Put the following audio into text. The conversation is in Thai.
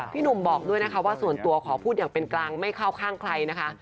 พี่หนุ่มบอกด้วยนะคะว่าส่วนตัวขอพูดอย่างเป็นกลางไม่เข้าข้างใครนะคะ